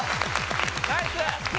ナイス！